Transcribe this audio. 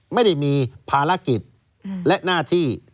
ไม่ได้มีภารกิจและหน้าที่